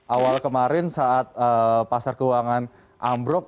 awal kemarin saat pasar keuangan ambruk